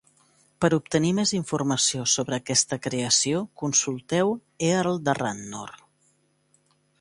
Per obtenir més informació sobre aquesta creació, consulteu Earl de Radnor.